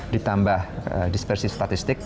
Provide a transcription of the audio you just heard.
ditambah dispersi statistik